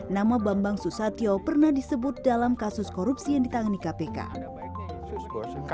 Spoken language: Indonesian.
nama bambang susatyo pernah disebut dalam kasus korupsi yang ditangani kpk